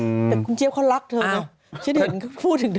แต่คุณเจี๊ยบเขารักเธอเนอะ